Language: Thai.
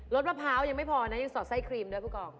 สมะพร้าวยังไม่พอนะยังสอดไส้ครีมด้วยผู้กอง